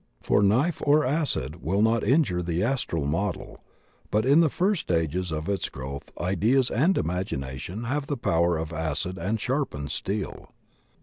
For knife or acid will not injure the astral model, but in the first stages of its growth ideas and imagination have the power of acid and sharpened steel.